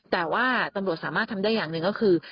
แต่ว่าตำรวจสามารถทำได้อย่างหนึ่งก็คือ